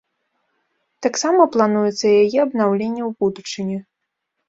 Таксама плануецца яе абнаўленне ў будучыні.